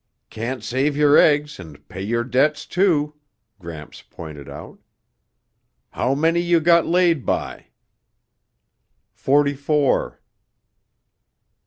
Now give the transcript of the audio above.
"Can't save your eggs and pay your debts, too," Gramps pointed out. "How many you got laid by?" "Forty four."